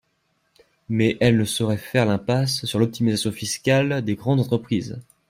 Mais elle ne saurait faire l’impasse sur l’optimisation fiscale des grandes entreprises.